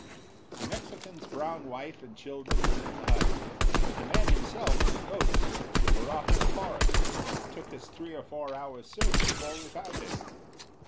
The Mexican's brown wife and children were in the hut, but the man himself and the goats were off in the forest, and it took us three or four hours' search before we found him.